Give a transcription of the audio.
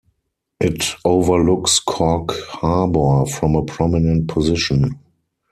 It overlooks Cork harbour from a prominent position.